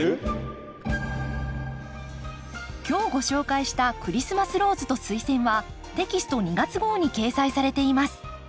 今日ご紹介した「クリスマスローズとスイセン」はテキスト２月号に掲載されています。